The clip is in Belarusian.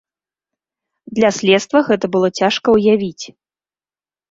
Для следства гэта было цяжка ўявіць.